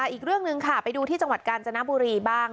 อีกเรื่องหนึ่งค่ะไปดูที่จังหวัดกาญจนบุรีบ้าง